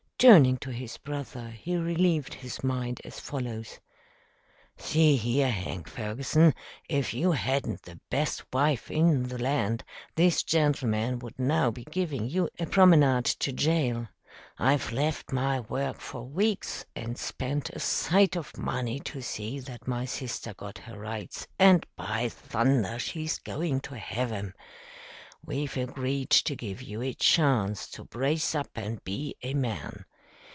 Turning to his brother, he relieved his mind as follows: "See here, Hank Ferguson, if you hadn't the best wife in the land, this gentleman would now be giving you a promenade to jail. I've left my work for weeks, and spent a sight of money to see that my sister got her rights, and, by thunder! she's going to have 'em. We've agreed to give you a chance to brace up and be a man.